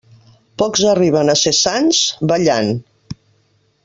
Pocs arriben a ser sants, ballant.